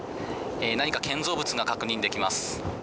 何か建造物が確認できます。